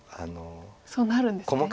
そうなるんですね。